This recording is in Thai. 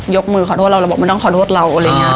ยกมือขอโทษเราเนอะเราบอกถ้าขอโทษเรา